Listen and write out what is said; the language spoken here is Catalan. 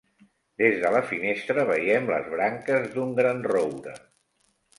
Des de la finestra veiem les branques d'un gran roure.